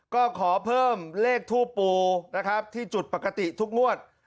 ก็ขอเพิ่มเลขทู่ปูที่จุดปกติทุกงวด